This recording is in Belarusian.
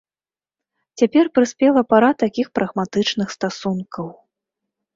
Цяпер прыспела пара такіх прагматычных стасункаў.